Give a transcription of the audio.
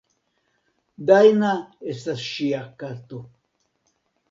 Dajna estas ŝia kato.